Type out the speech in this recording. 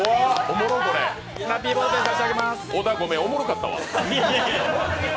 小田、ごめん、おもろかったわ。